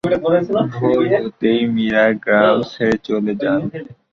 ভোর হতেই মীরা গ্রাম ছেড়ে চলে যান।